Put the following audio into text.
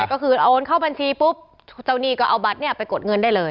ก็คือโอนเข้าบัญชีปุ๊บเจ้าหนี้ก็เอาบัตรไปกดเงินได้เลย